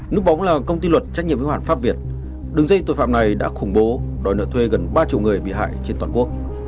núp bóng là công ty luật trách nhiệm hữu hạn pháp việt đường dây tội phạm này đã khủng bố đòi nợ thuê gần ba triệu người bị hại trên toàn quốc